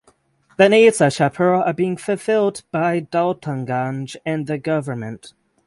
The needs of Shahpur are being fulfilled by Daltonganj and the government.